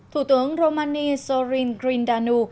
thủ tướng romani sorin grindanu